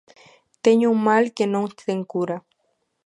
Teño un mal que non ten cura.